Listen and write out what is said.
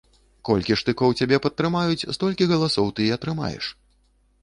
Колькі штыкоў цябе падтрымаюць, столькі галасоў ты і атрымаеш.